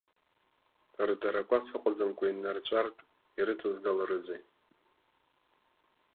Рдаракәац ыҟаӡамкәа иннарҵәартә ирыҵазгаларызеи?